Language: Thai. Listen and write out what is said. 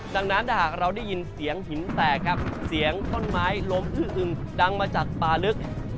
ดังนั้นถ้าหากเราได้ยินเสียงหินแตกครับเสียงต้นไม้ล้มอื้อฮึมดังมาจากป่าลึก